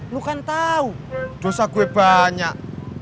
lu kan tahu dosa gue banyak